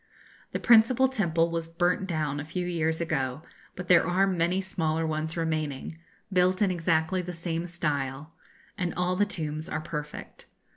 The principal temple was burnt down a few years ago; but there are many smaller ones remaining, built in exactly the same style, and all the tombs are perfect.